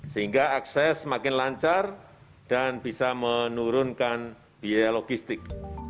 sehingga akses semakin lancar dan bisa menurunkan biaya logistik